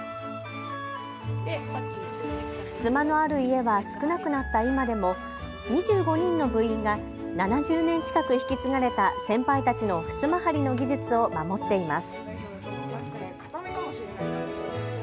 ふすまのある家は少なくなった今でも２５人の部員が７０年近く引き継がれた先輩たちのふすま張りの技術を守っています。